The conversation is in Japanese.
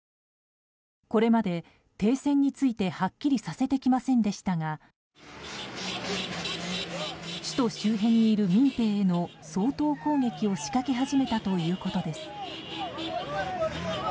これまで停戦についてはっきりさせてきませんでしたが首都周辺にいる民兵への掃討攻撃を仕掛け始めたということです。